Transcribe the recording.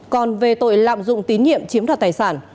còn về tội lạm dụng tín nhiệm chiếm đoạt tài sản